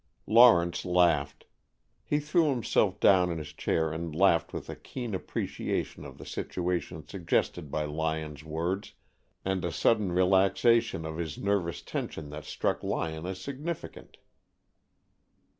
Lawrence laughed. He threw himself down in his chair and laughed with a keen appreciation of the situation suggested by Lyon's words and a sudden relaxation of his nervous tension that struck Lyon as significant.